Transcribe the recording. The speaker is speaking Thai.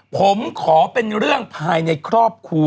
ผมขอเป็นเรื่องภายในครอบครัว